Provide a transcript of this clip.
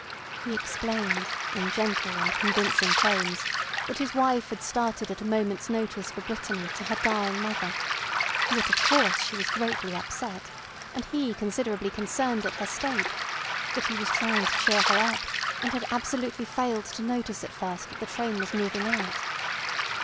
He explained, in gentle and convincing tones, that his wife had started at a moment's notice for Brittany to her dying mother; that, of course, she was greatly up set, and he considerably concerned at her state; that he was trying to cheer her up, and had absolutely failed to notice at first that the train was moving out.